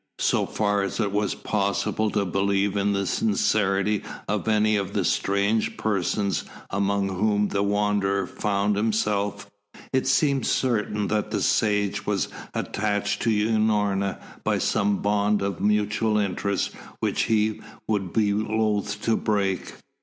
So far as it was possible to believe in the sincerity of any of the strange persons among whom the Wanderer found himself, it seemed certain that the sage was attached to Unorna by some bond of mutual interests which he would be loth to break.